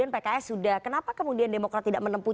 pks sudah kenapa kemudian demokrat tidak menempuh